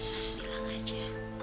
mas bilang aja